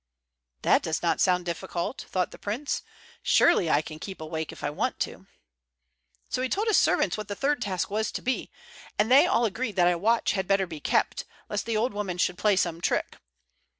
"That does not sound difficult," thought the prince. "Surely I can keep awake, if I want to." So he told his servants what the third task was to be, and they all agreed that a watch had better be kept, lest the old woman should play some trick.